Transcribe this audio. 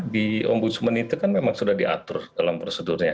di ombudsman itu kan memang sudah diatur dalam prosedurnya